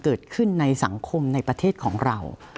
เกิดขึ้นในสังคมในประเทศของเรา